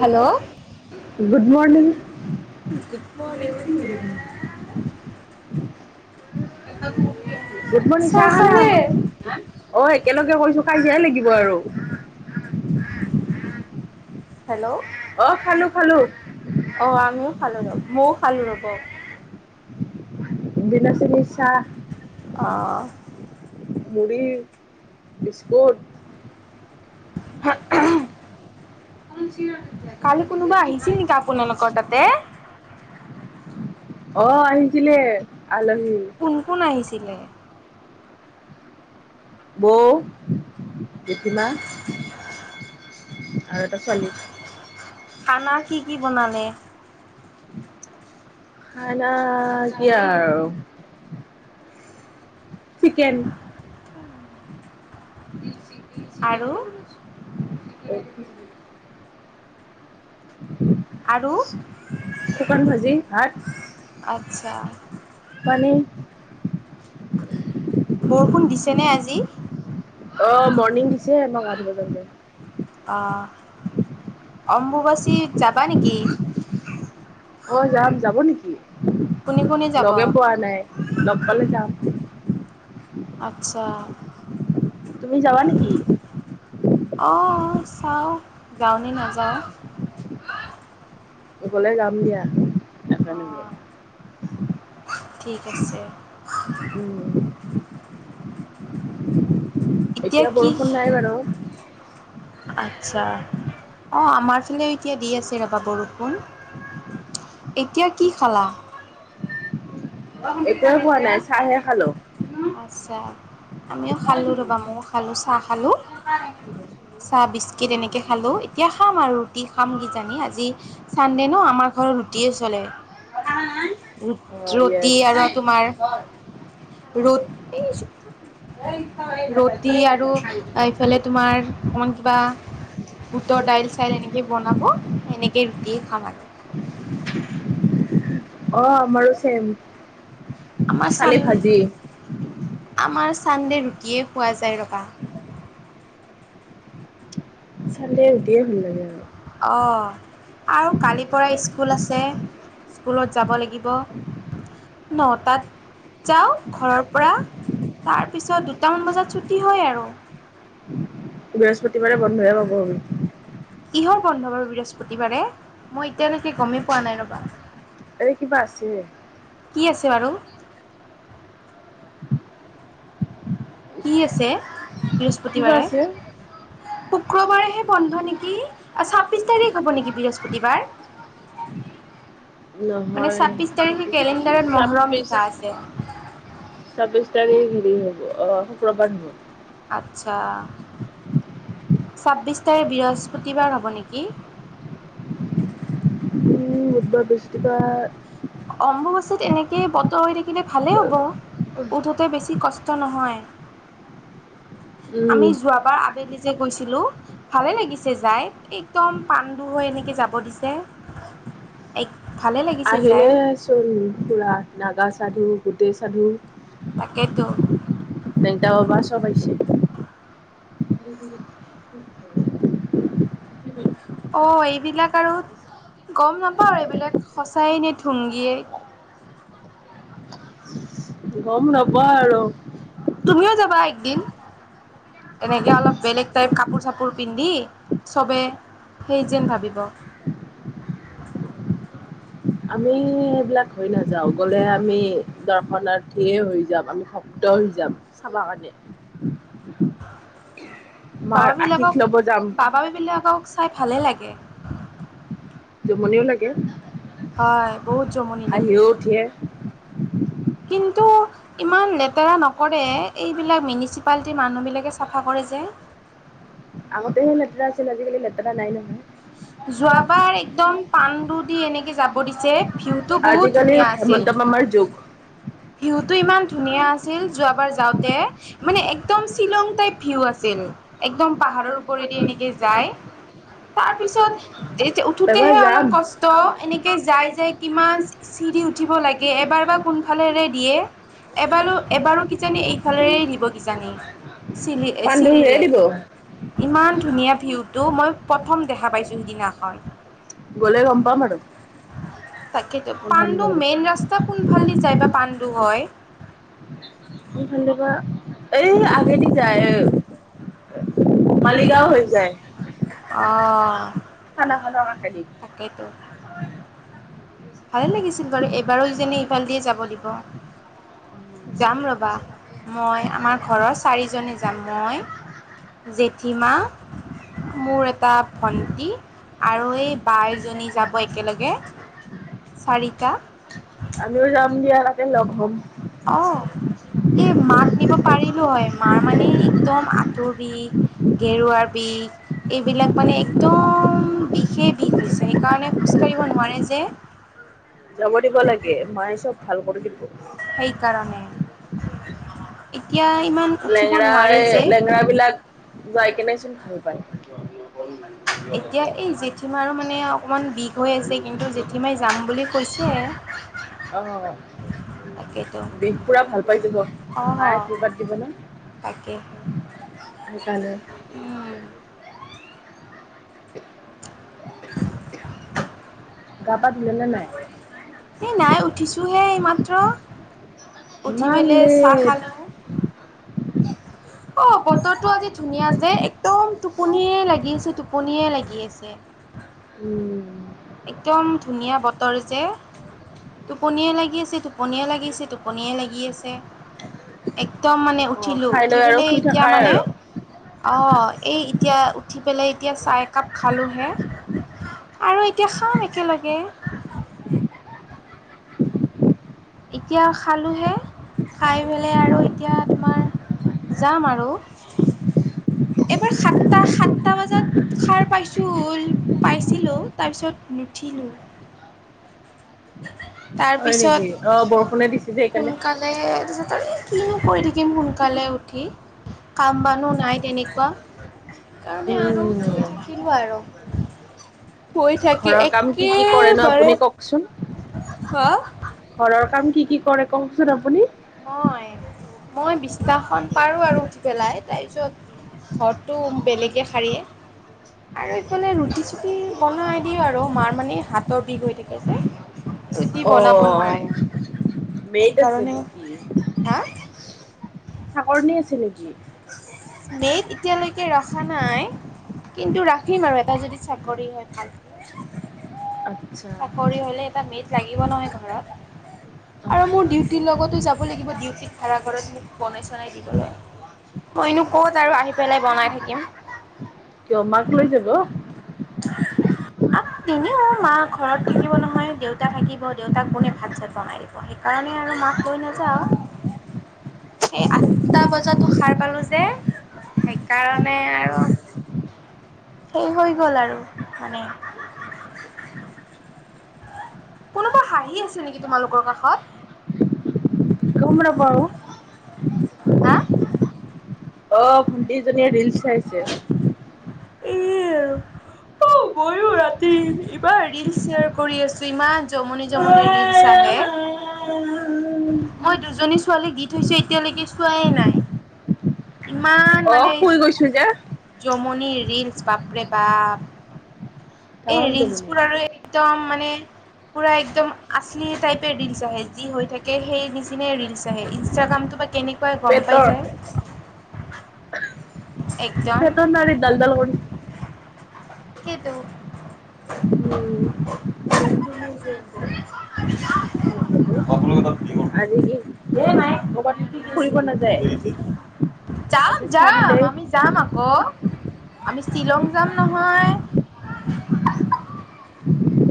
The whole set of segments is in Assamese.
Hello good morning. [inaudible] Good morning, চাহ খালাঁ? অ, একেলগে হৈ থকা, কাজিয়া লাগিব আৰু। হেল্ল। অ, খালো, খালো অ। আমিও খালো, ৰব, মইও খালো, ৰব। বিনা চেনী চাহ। অ। মুড়ি, বিস্কুট। [unintelligible] কালি কোনোবা আহিছিল নেকি আপোনালোকৰ তাতে? অ, আহিছিল আলহী। কোন কোন আহিছিলে? বৌ, জেঠিমা। আৰু এটা ছোৱলী। খানা কি কি বনালে [inaudible] কি আৰু? চিকেন। আৰু। উ আৰু শুকান ভাজি ভাত আচ্ছা মানে বৰষুণ দিছেনে আজি। অ মৰ্ণিং দিছে মই গা ধুবলৈ যাওঁতে। অ অম্বুবাচী যাবা নেকি? অ যাম যাব নেকি কোনে কোনে যাব? লগে পোৱা নাই। লগ পালে যাম। আচ্ছা। তুমি যাবা নেকি অঁ চাওঁ যাওঁ নাযাওঁ। ফুৰিবলে যাম দিয়া অ সকাৰণ [unintelligible] ঠিক আছে। উম' এতিয়া কি বৰষুণ নাই বাৰু। আচ্ছা। অ আমাৰ ফালেও এতিয়া দি আছে ৰবা বৰষুণ,। এতিয়া কি খালা? একোৱে খোৱা নাই চাহে, খালো। আচ্ছা আমিও খালোঁ ৰ'বা ময়ো খালোঁ চাহ, খালোঁ। চাহ, বিস্কিট, এনেকৈ খালোঁ এতিয়া খাম আৰু ৰুটি, খাম কিজানি আজি। চানডে ন আমাৰ ঘৰত ৰুটিয়ে, চলে। অ য়েছ। ই আৰু তোমাৰ হয়। ৰ'দ এই ৰুটি, আৰু এইফালে তোমাৰ অকমান কিবা। উটৰ দাইল, চাইল এনেকে বনাব এনেকে ৰুটিয়ে খাম আৰু। অ আমাৰো ছেম। আমাৰ চান খালি ভাজি। আমাৰ চান্দে ৰুটিয়ে, খোৱা যায় ৰবা। চানদে ৰুটিয়ে ভাল লাগে। আৰু- অহ আৰু কালিৰ পৰা স্কুল আছে স্কুলত যাব লাগিব। ন, টাত যাওঁ ঘৰৰ পৰা তাৰপিছত দুটামান বজাত ছুটি হয় আৰু। বৃহস্পতিবাৰে, বন্ধহে পাব আমি। কিহৰ বন্ধ বাৰু বৃহস্পতিবাৰে মই এতিয়ালৈকে গমেই পোৱা নাই এই কিবা ৰ'বা। আছে। কি আছে বাৰু [unintelligible] কি আছে কিবা বৃহস্পতিবাৰে, আছে? শুক্ৰবাৰেহে বন্ধ নেকি ছাব্বিশ তাৰিখ হ'ব নেকি বৃহস্পতিবাৰ। [unintelligible] মানে নহয় তাৰিখ ছাব্বিশ কেলেণ্ডাৰত মহৰম, ছাব্বিশ লিখা আছে ছাব্বিশ তাৰিখে হেৰি হ'ব অ শুক্ৰবাৰ হ'ব। আচ্ছা। ছাব্বিছ তাৰিখ বৃহস্পতিবাৰ হ'ব নেকি? উম বুধবাৰ বৃহস্পতিবাৰ, অম্বুবাচিত, এনেকেই বতৰ হৈ থাকিলে ভালে হ'ব উঠ তই বেছি কষ্ট নহয়। উম, আমি যোৱা বাৰ আবেলি যে গৈছিলো, ভালে লাগিছে যায় এই একদম পাণ্ডু হৈ এনেকে যাব দিছে, এক ভালে লাগিছে যায়। চূণপোৰা নাগা চাধু গোটেই চাধু তাকেতো [inaudible] দেউতা বাবা চব আহিছে। অ এইবিলাক আৰু গম নাপাওঁ এইবিলাক সঁচাই নে থুংগিয়েই। গম নাপায় আৰু। তুমিও যাবা একদিন। এনেকে অলপ বেলেগ টাইপ কাপোৰ চাপোৰ পিন্ধি চবে সেই যেন ভাবিব আমি সেইবিলাক হৈ নাযাওঁ, গ'লে আমি দৰ্শনাৰ্থীয়ে হৈ যাম আমি স দল হৈ যাম চাবা কাৰণে। মাৰ বাবা আশীষ বিলাকক ল'ব যাম। বাবা বিলাকক চাই ভালে লাগে। জুমনিও লাগে। হয় বহুত জমনি লাগে। হাঁহিও উঠে কিন্তু ইমান লেতেৰা নকৰে এইবিলাক মিনিচিপালটি মানুহবিলাকে চাফা কৰে যে। আগতেহে লেতেৰা আছিল আজিকালি লেতেৰা নাই নহয়। [inaudible] যোৱাবাৰ একদম পাণ্ডু দি এনেকে যাব দিছে, ভিউটো বহুত আজিকালি ধুনীয়া হেমন্ত আছিল! মামাৰ যুগ। [inaudible] ভিউটো ইমান ধুনীয়া আছিল যোৱাবাৰ যাওঁতে! মানে একদম শ্বিলং টাইপ ভিউ আছ ছিল একদম পাহাৰৰ ওপৰেদি এনেকে যায় তাৰপিছত এইযে এবাৰ উঠোতেহে যাম। অলপ কষ্ট, এনেকে যায় যায় কিমান চিৰি উঠিব লাগে এবাৰ বা কোনফালেৰে দিয়ে? এবাৰো এবাৰো কিজানি এইফালেৰে দিব কিজানি চিল পাণ্ডুহে চিৰিৰে। দিব ইমান ধুনীয়া ভিউটো মই প্ৰথম দেখা পাইছোঁ সেইদিনাখন। গলে গম পাম। তাকেইটো পাণ্ডু মেইন ৰাস্তা কোনফালদি যায় বা পাণ্ডু হয়? কোনফালে বা এই আগেদি যায়। মালিগাঁও হৈ যায়, খানাখনৰ অঁ কাষেদি তাকেইতো। ভালে লাগিছিল বাৰু এবাৰো যেনে ইফাল দিয়ে যাব দিব। যাম ৰ'বা মই আমাৰ ঘৰৰ চাৰিজনে যাম মই জেঠিমা মোৰ এটা ভন্টি আৰু এই বাইজনী যাব একেলগে। চাৰিটা আমিও যাম [unintelligible] দিয়া তাতে লগ হ'ম। অঁ এই মাক নিব পাৰিলো হয় মাৰ মানে একদম আঠুৰ বিষ ঘেৰুৱাৰ বিষ এইবিলাক মানে একদম বিষ ষে বিষ হৈছে সেইকাৰণে খোজ কঢ়িব নোৱাৰে যে। যাব দিব লাগে মায়ে চব ভাল কৰি দিব। সেইকাৰণে এতিয়া ইমান উঠিব লেংৰা নোৱাৰে এ যে লেংৰা বিলাক যায় কেনেচোন ভাল পায়। [inaudible] এতিয়া এই জেঠীমাৰো মানে অকণমান বিষ হৈ আছে কিন্তু জেঠীমাই যাম বুলি কৈছে। অ', তাকেতো বিষ পুৰা ভাল পাইছোব মায়ে কবাত দিব ন'। তাকেহে। সেইকাৰণে। [inaudible] গা পা ধুলে নে নাই? এই নাই উঠিছোহে এইমাত্ৰ। উঠি ইমান পেলাই চাহ লেট। খালোঁ। [inaudible] অ', বতৰটো আজি ধুনীয়া যে একদম টোপনিয়ে লাগি আছে টোপনিয়ে লাগি আছে। একদম ধুনীয়া বতৰ যে। উম। টোপনিয়ে লাগি আছে টোপনিয়ে লাগিছে টোপনিয়ে লাগি আছে একদম মানে অ', উঠিলোঁ খাই উঠি লৈ আৰু পেলাই শুই এতিয়া থাকাই মানে আৰু। অ', এই এতিয়া উঠি পেলাই এতিয়া চাহ একাপ খালোঁহে। আৰু এতিয়া খাম একেলগে। এতিয়া খালোঁহে খাই পেলাই আৰু এতিয়া তোমাৰ যাম আৰু এইবাৰ সাতটা সাতটা বজাত সাৰ পাইছোঁ পাইছিলোঁ তাৰপিছত নুঠিলোঁ। [inaudible] হয় নেকি অ তাৰপিছত বৰষুণে দিছে যে সেইকাৰণে। সোনকালে তাৰপিছত আৰু কিনো কৰি থাকিম সোনকালে উঠি কাম বানো নাই তেনেকুৱা সেইকাৰণে আৰু শুই উম থাকিলো আৰু শুই থাকি ঘৰৰ কাম কি কি কৰেনো একেবাৰে [unintelligible] হা? ঘৰৰ কাম কি কি কৰে কওকচোন আপুনি? মই মই বিছনাখন পাৰো আৰু উঠি পেলাই তাৰপিছত ঘৰটো বেলেগে সাৰে। আৰু এই ফালে ৰুটি-চুটি বনাই দিও আৰু মাৰ মানে হাতৰ বিষ হৈ থাকে যে। ৰুটী অ বনাব নোৱাৰে সেই কাৰণে উম। হা? আছে নেকি? মেদ এতিয়ালৈকে ৰখা নাই। কিন্তু ৰাখিম আৰু এটা যদি চাকৰি হয় ভাল। আচ্ছা চাকৰি হ'লে এটা মেদ লাগিব নহয় ঘৰত? অ। আৰু মোৰ ডিউটিৰ লগতো যাব লাগিব, ডিউটিত ভাড়া ঘৰত মোক বনাই-চনাই নাই দিবলৈ, মইনো ক'ত আৰু আহি পেলাই বনাই থাকিম। [unintelligible] কিয় মাক লৈ ঘৰত যাব? থাকিব নহয়, দেউতা থাকিব দেউতাক কোনে ভাত-চাত বনাই দিব। সেই কাৰণে আৰু মাক লৈ নাযাওঁ। সেই আঠটা বজাতো সাৰ পালো যে। সেইকাৰণে আৰু সেই হৈ গ'ল আৰু মানে। কোনোবা হাঁহি আছে নেকি তোমালোকৰ কাষত? গম নাপাওঁ। হা? অ', ভণ্টিজনীয়ে ৰিলচ চাইছে। এই আৰু। অ', ময়ো ৰাতি ইমান ৰিলচ শ্বেয়াৰ কৰি আছো, ইমান জমনি জমনি ৰিলচ আহে। মই দুজনী ছোৱালীক দি থৈছোঁ, এতিয়ালৈকে চোৱাই নাই। [unintelligible] ইমান অ মানে শুই গৈছো যে। জমনি ৰীলচ, বাপৰে বাপ। এই তামাম জমনি। ৰিলচবোৰ আৰু একদম মানে পুৰা এক্দম আচলি টাইপেই ৰিলচ আহে, যি হৈ থাকে সেই নিচিনাই ৰিলচ আহে, পেটৰ ইনষ্টাগ্ৰামটো বা কেনে কৈ গ'ম পাই যায়। [unintelligible] একদম, পেটৰ নাৰী ডালডাল কৰি কিতো? উম, [inaudible] আপোনালোকে তাত বুকিং আজি কৰিব কি ক'বাত ফুৰিব নাযায়? যাম যাম। যাম আকৌ, আমি শ্বিলং যাম নহয়।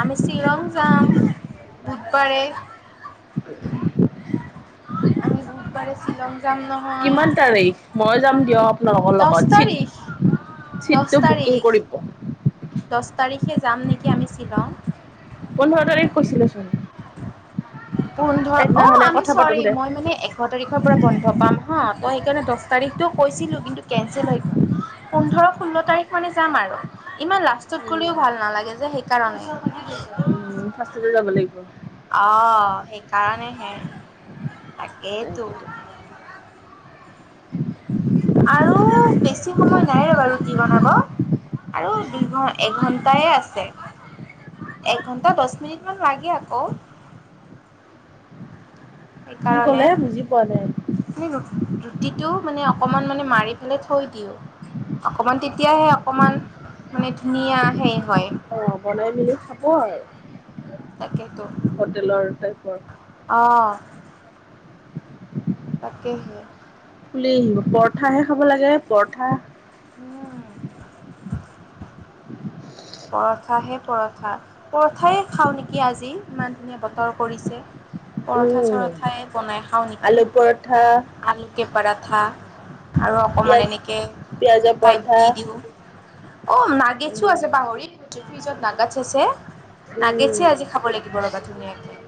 আমি শ্বিলং যাম, বুধবাৰে। [unintelligible] আমি বুধবাৰে শ্বিলং যাম ন হয়, কিমান দহ তাৰিখ মই যাম দিয়ক আপোনালোকৰ লগত চিট তাৰিখ। দহ চিটটো বুকিং তাৰিখ, কৰিব দহ তাৰিখে যাম নেকি আমি শ্বিলং। পোন্ধৰ তাৰিখ কৈছিলেচোন। পোন্ধৰ, অ', সেইদিনাখনে আমি কথা পাতোঁ চৰি, দে উম মই মানে এঘাৰ তাৰিখ খৰ পৰা বন্ধ পাম হা, ত' সেইকাৰণে দহ তাৰিখটো কৈছিলোঁ, কিন্তু কেঞ্চেল হৈ গ'ল। পোন্ধৰ, ষোল্ল তাৰিখ মানে যাম আৰু, ইমান লাষ্ট ত গ'লেও ভাল নালাগে যে, সেইকাৰণে। উম, ৰ্ফাষ্টটেই যাব লাগিব। কাৰণেহে, তাকেইটো। লাগিব আৰু বেছি সময় নাই আৰু ৰুটি বনাব। আৰু দুঘ, এঘণ্টাই আছে। এঘন্টা দহ মিনিট মান লাগে আকৌ। কি সেইকাৰণে। ক'লে বুজি পোৱা নাই আমি ৰুটিটো মানে অকণমান মানে মাৰি পেলাই থৈ দিওঁ। অকণমান, তেতিয়াহে অকণমান মানে ধুনীয়া হেৰি হয়। অ', বনাই মেলি খাব আৰু। তাকেতো হোটেলৰ টাইপৰ, অ'। তাকেহে ফুলি আহিব, পৰঠাহে খাব লাগে, পৰঠা। উম। পৰঠাহে পৰঠা, পৰঠাই খাওঁ নেকি আজি। ইমান ধুনীয়া বতৰ কৰিছে, পৰঠা উম চৰঠাই বনাই খাওঁ আলু নেকি। পৰঠা আলুকে পৰাঠা আৰু অকমান পিয়াজ এনেকে পিয়াজৰ টাইপ পৰঠা দি দিওঁ। অ', নাগেছো আছে পাহৰি [unintelligible] ফ্ৰিজত নাগছ আছে নাগেটছে আজি খাব লাগিব ৰবা। ধুনীয়াকে।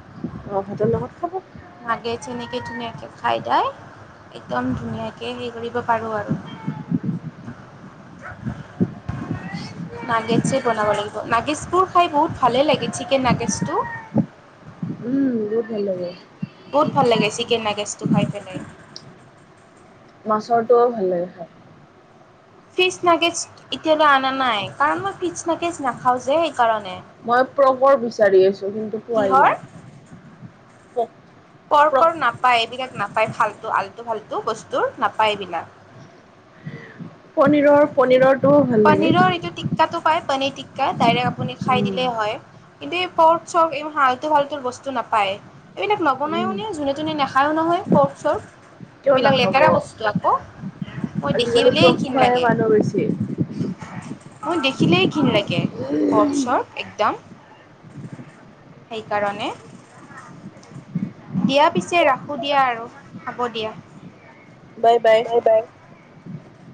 অ', ভাতৰ লগত খাব? নাগেটছ এনেকে ধুনীয়াকে খাই দাই একদম ধুনীয়াকে হেৰি কৰিব পাৰো আৰু। নাগেছেই বনাব লাগিব, নাগেচ বোৰ খাই বহুত ভালে লাগে, চিকেন নাগেচটো। উম, বহুত ভাল লাগে। বহুত ভাল লাগে চিকেন নাগেষ্টটো খাই পেলাই। মাছৰটও ভাল লাগে খাই। ফিচ নাগেষ্ট এতিয়ালৈ অনা নাই কাৰণ মই ফিচ নাগেষ্ট নাখাওঁ যে সেইকাৰণে। মই পৰ্কৰ বিচাৰি আছো কিন্তু পোৱাই কিহৰ নাই। [inaudible] ক পৰ্কৰ নাপায়। এইবিলাক নাপায় ফাল্টু আল্টু ফাল্টু বস্তুৰ নাপায় এইবিলাক। পনীৰৰ পনিৰৰ পনীৰৰ এইটো টিক্কাটো পায় পনীৰ টিক্কা ডাইৰেক্ট আপুনি খাই উম, দিলেই হয়। এনে পৰ্ক-চৰ্ক হালতু-ফালতু বস্তু নাপায়। এইবিলাক নবনায়ও উম। নে যোনে-তোনে নেখায়ো নহয় পৰ্ক-চৰ্ক। কিয় এইবিলাক নাখাব, লেতেৰা বস্তু আকৌ মই আজিকালি দেখিবলেই পৰ্ক খোৱাই লাগে মানুহ বেছি, মই দেখিলেই ঘিন লাগে পৰ্ক পৰ্ক-চৰ্ক একদম। সেইকাৰণে দিয়া পিছে ৰাখো দিয়া আৰু হ'ব দিয়া। Bye bye. বাই-বাই।